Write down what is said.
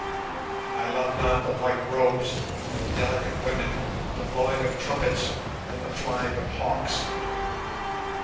I love not the white robes and the delicate women, the blowing of trumpets and the flying of hawks.